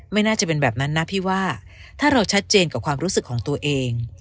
ไม่น่าจะเป็นแบบนั้นนะพี่ว่าถ้าเราชัดเจนกับความรู้สึกของตัวเอง